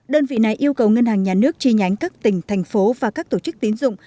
đơn vị này yêu cầu ngân hàng nhà nước chi nhánh các tỉnh thành phố và các tổ chức tín dụng